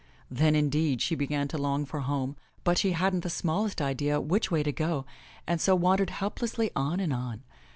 Then, indeed, she began to long for home, but she hadn't the smallest idea which way to go and so wandered helplessly on and on.